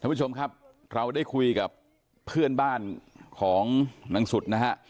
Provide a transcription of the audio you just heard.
ผู้ชมครับเราได้คุยกับเพื่อนบ้านของนางสุดนะฮะ